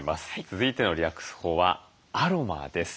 続いてのリラックス法はアロマです。